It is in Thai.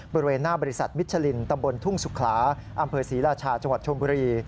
บริเวณหน้าบริษัทมิชลินตำบลทุ่งสุขลาอำเภอศรีราชาจังหวัดชมบุรี